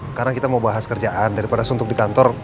sekarang kita mau bahas kerjaan daripada suntuk di kantor